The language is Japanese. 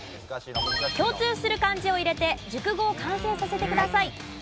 共通する漢字を入れて熟語を完成させてください。